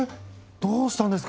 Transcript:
どうしたんですか？